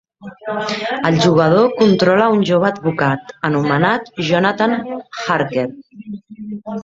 El jugador controla un jove advocat anomenat Jonathan Harker.